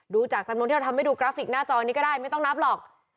จากจำนวนที่เราทำให้ดูกราฟิกหน้าจอนี้ก็ได้ไม่ต้องนับหรอก